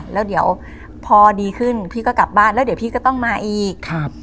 แล้วเดี๋ยวพอดีขึ้นพี่ก็กลับบ้านแล้วเดี๋ยวพี่ก็ต้องมาอีกครับ